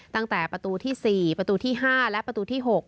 ตั้งแต่ประตูที่๔ประตูที่๕และประตูที่๖